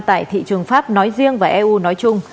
tại thị trường pháp nói riêng và eu nói chung